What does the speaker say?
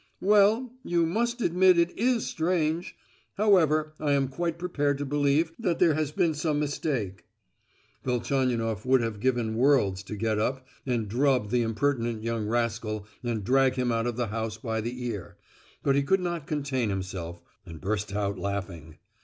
"Well, you must admit it is strange! However, I am quite prepared to believe that there has been some mistake." Velchaninoff would have given worlds to get up and drub the impertinent young rascal and drag him out of the house by the ear; but he could not contain himself, and burst out laughing.